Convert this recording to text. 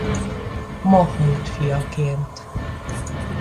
Mahmud fiaként.